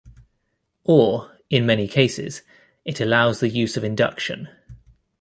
Or, in many cases, it allows the use of induction.